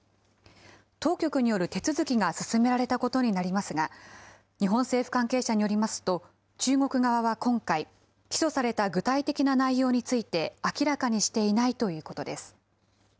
当局による手続きが進められたことになりますが、日本政府関係者によりますと、中国側は今回、起訴された具体的な内容について明らかにしていないということです。